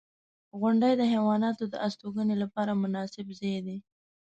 • غونډۍ د حیواناتو د استوګنې لپاره مناسب ځای دی.